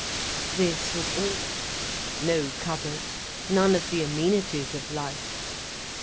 This was all—no cupboard, none of the amenities of life.